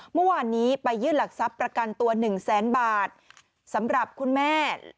เมื่อวานนี้ไปยื่นหลักทรัพย์ประกันตัวหนึ่งแสนบาทสำหรับคุณแม่